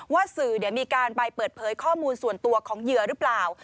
สื่อมีการไปเปิดเผยข้อมูลส่วนตัวของเหยื่อหรือเปล่า